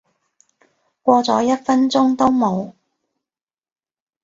過咗一分鐘都冇